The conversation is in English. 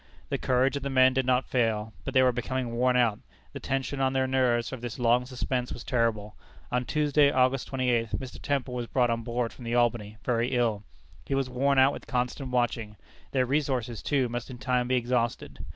The courage of the men did not fail, but they were becoming worn out. The tension on their nerves of this long suspense was terrible. On Tuesday, August 28th, Mr. Temple was brought on board from the Albany, very ill. He was worn out with constant watching. Their resources, too, must in time be exhausted.